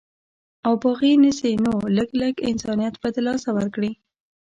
او باغي نسي نو لږ، لږ انسانيت به د لاسه ورکړي